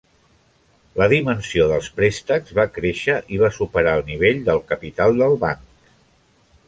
La dimensió dels préstecs va créixer i va superar el nivell del capital del banc.